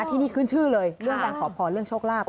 ที่นี่ขึ้นชื่อเลยเรื่องการขอพรเรื่องโชคลาภ